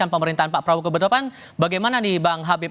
pemerintahan pak prabowo kebetulan bagaimana nih bang habib